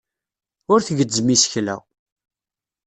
Ur tgezzem isekla.